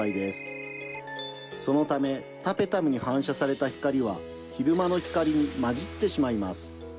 そのためタペタムに反射された光は昼間の光に混じってしまいます。